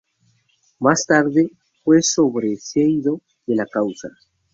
Más tarde fue sobreseído de la causa.